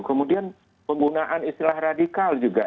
kemudian penggunaan istilah radikal juga